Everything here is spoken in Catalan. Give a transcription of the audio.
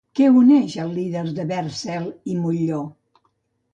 Què uneix al líder de VerdCel i Montllor?